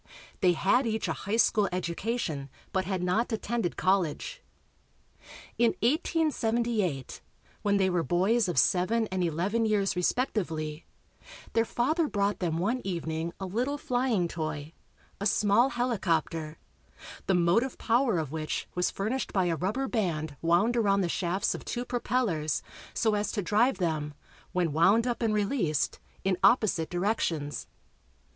They had each a high school education but had not attended college. In 1878, when they were boys of seven and eleven years respectively, their father brought them one evening a little flying toy, a small helicopter, the motive power of which was furnished by a rubber band wound around the shafts of two propellers so as to drive them, when "wound up" and released, in opposite directions.